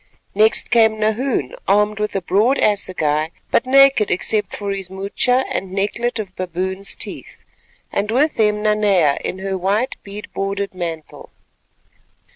Next came Nahoon, armed with a broad assegai, but naked except for his moocha and necklet of baboon's teeth, and with him Nanea in her white bead bordered mantle.